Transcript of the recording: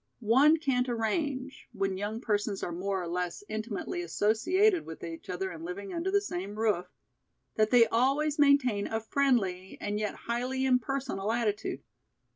One can't arrange, when young persons are more or less intimately associated with each other and living under the same roof, that they always maintain a friendly and yet highly impersonal attitude.